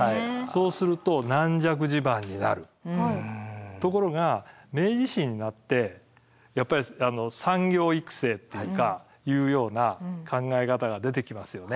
そうするとところが明治維新になってやっぱり産業育成っていうかいうような考え方が出てきますよね。